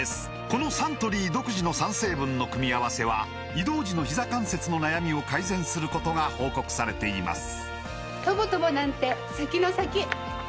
このサントリー独自の３成分の組み合わせは移動時のひざ関節の悩みを改善することが報告されています